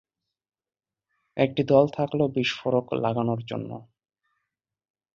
একটি দল থাকল বিস্ফোরক লাগানোর জন্য।